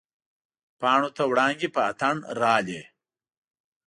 پاڼو ته وړانګې په اتڼ راغلي